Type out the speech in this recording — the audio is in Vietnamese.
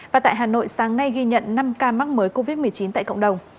và tại hà nội sáng nay ghi nhận năm ca mắc mới covid một mươi chín tại cộng đồng